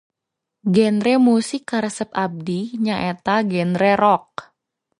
Genre musik karesep abdi nyaeta genre rock.